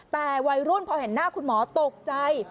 แต่วัยรุ่นพอเห็นหน้าคุณหมอตกใจ